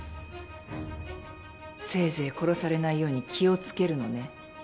せいぜい殺されないように気を付けるのね。